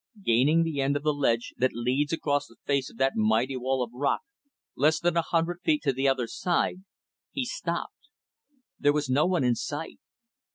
Gaining the end of the ledge that leads across the face of that mighty wall of rock, less than a hundred feet to the other side, he stopped. There was no one in sight.